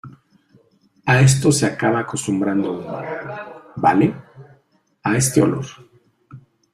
a esto se acaba acostumbrando uno, ¿ vale? a este olor.